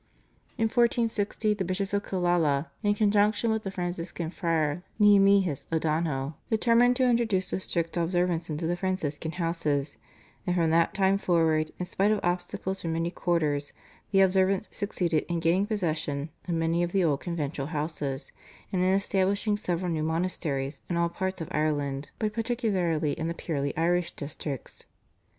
In 1460 the Bishop of Killala in conjunction with the Franciscan Friar, Nehemias O'Donohoe, determined to introduce the Strict Observance into the Franciscan Houses, and from that time forward in spite of obstacles from many quarters the Observants succeeded in getting possession of many of the old Conventual Houses, and in establishing several new monasteries in all parts of Ireland, but particularly in the purely Irish districts.